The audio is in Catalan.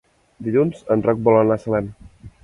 Dilluns en Roc vol anar a Salem.